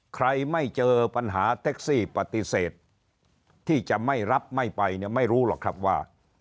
ใครไม่เจอปัญหาแท็กซี่ปฏิเสธที่จะไม่รับไม่ไปเนี่ยไม่รู้หรอกครับว่า